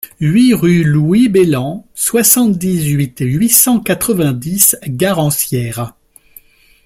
huit rue Louis Bellan, soixante-dix-huit, huit cent quatre-vingt-dix, Garancières